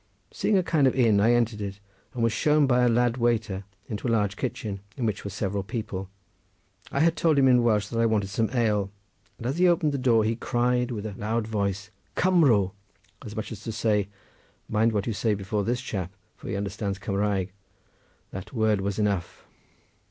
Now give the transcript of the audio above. Seeing a kind of inn, I entered it, and was shown by a lad waiter into a large kitchen, in which were several people. I had told him in Welsh that I wanted some ale, and as he opened the door he cried with a loud voice, "Cumro!" as much as to say, Mind what you say before this chap, for he understands Cumraeg—that word was enough.